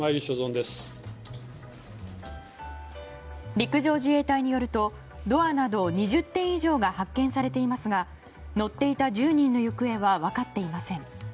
陸上自衛隊によるとドアなど２０点以上が発見されていますが乗っていた１０人の行方は分かっていません。